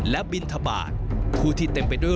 และบินทบาทผู้ที่เต็มไปด้วย